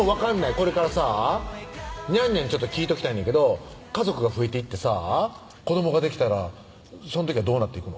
これからさにゃんにゃんに聞いときたいねんけど家族が増えていってさ子どもができたらその時はどうなっていくの？